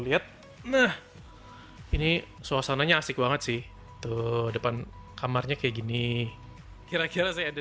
lihat nah ini suasananya asik banget sih tuh depan kamarnya kayak gini kira kira saya ada